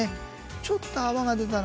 ちょっと泡が出たな。